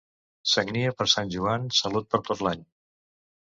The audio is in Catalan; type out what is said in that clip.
Sagnia per Sant Joan, salut per tot l'any.